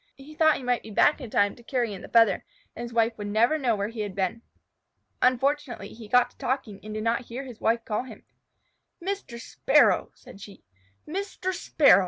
He thought he might be back in time to carry in the feather and his wife never know where he had been. Unfortunately, he got to talking and did not hear his wife call him. "Mr. Sparrow!" said she. "_Mr. Sparrow!